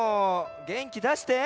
げんきだして。